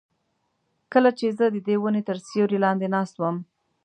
کله چې زه ددې ونې تر سیوري لاندې ناست وم.